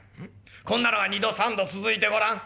こんなのが二度三度続いてごらん。